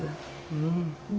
うん。